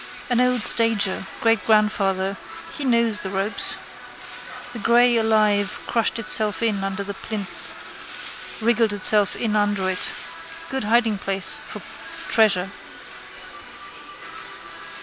An old stager: greatgrandfather: he knows the ropes. The grey alive crushed itself in under the plinth, wriggled itself in under it. Good hidingplace for treasure.